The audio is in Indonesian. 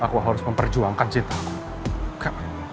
aku harus memperjuangkan cintaku